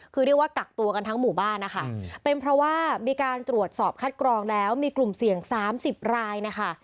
คือเรียกว่ากักตัวกันทั้งหมู่บ้านนะคะเป็นเพราะว่ามีการตรวจสอบคัดกรองแล้วมีกลุ่มเสี่ยง๓๐รายนะคะ